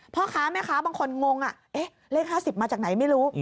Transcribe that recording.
พ่อค้าแม่ค้าบางคนงงเลข๕๐มาจากไหนไม่รู้